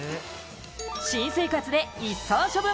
新生活で一掃処分。